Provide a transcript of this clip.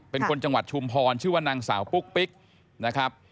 เป็นคนจังหวัดชุมพรชื่อว่านางสาวปุ๊กปิ๊กนะครับ